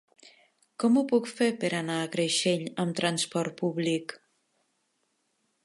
Com ho puc fer per anar a Creixell amb trasport públic?